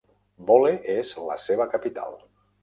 Bole és la seva capital.